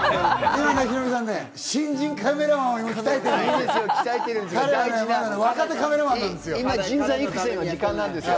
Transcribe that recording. ヒロミさん、新人カメラマンを鍛えてるんですよ。